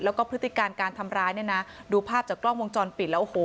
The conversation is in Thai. แล้วก็พฤติการการทำร้ายเนี่ยนะดูภาพจากกล้องวงจรปิดแล้วโอ้โห